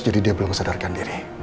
jadi dia belum sadarkan diri